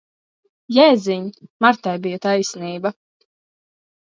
Jēziņ! Martai bija taisnība.